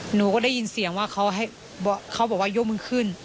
หนูก็ได้ยินเสียงว่าเขาบอกว่ายกมือขึ้น